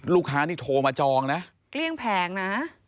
ลูกค้านี่โทรมาจองนะเกลี้ยงแผงนะ